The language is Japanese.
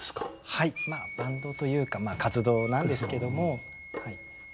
はいバンドというか活動なんですけども。